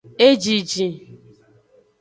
Ejijin.